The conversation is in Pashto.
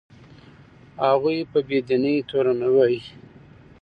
هغوی په بې دینۍ تورنوي.